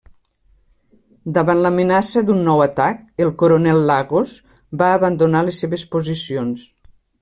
Davant l'amenaça d'un nou atac, el coronel Lagos va abandonar les seves posicions.